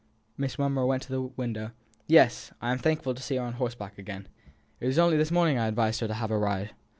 Miss Monro went to the window. "Yes! I am thankful to see her on horseback again. It was only this morning I advised her to have a ride!"